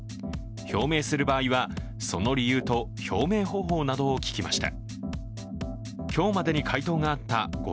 表明する場合はその理由と表明方法などを聞きました。